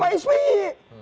apalagi itu pak sby